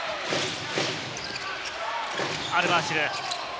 アルバーシル。